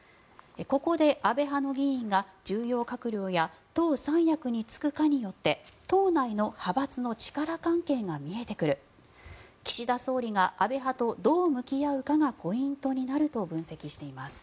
ここで安倍派の議員が重要閣僚や党三役に就くかによって党内の派閥の力関係が見えてくる岸田総理が安倍派とどう向き合うかがポイントになると分析しています。